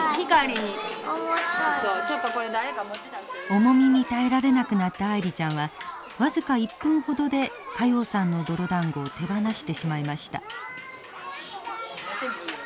重みに耐えられなくなったアイリちゃんはわずか１分ほどで加用さんの泥だんごを手放してしまいました。